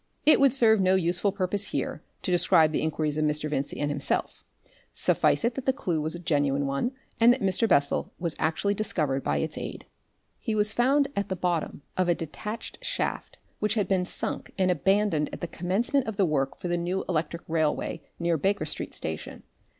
It would serve no useful purpose here to describe the inquiries of Mr. Vincey and himself; suffice it that the clue was a genuine one, and that Mr. Bessel was actually discovered by its aid. He was found at the bottom of a detached shaft which had been sunk and abandoned at the commencement of the work for the new electric railway near Baker Street Station.